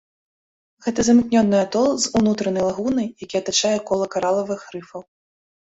Гэта замкнёны атол з унутранай лагунай, які атачае кола каралавых рыфаў.